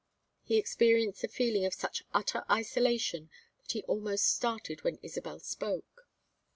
He experienced a feeling of such utter isolation that he almost started when Isabel spoke.